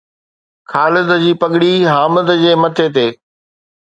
خالد جي پگڙي حامد جي مٿي تي